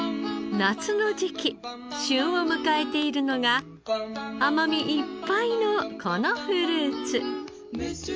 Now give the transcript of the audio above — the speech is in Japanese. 夏の時期旬を迎えているのが甘みいっぱいのこのフルーツ。